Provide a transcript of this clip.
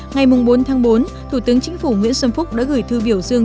ngày bốn tháng bốn thủ tướng chính phủ nguyễn xuân phúc đã gửi thư biểu dương